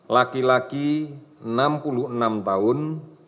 laki laki enam puluh enam tahun